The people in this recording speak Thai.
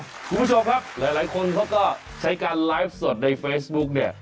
คุณผู้ชมครับหลายคนเขาก็ใช้การไลฟ์สดในเฟซบุ๊กเนี่ย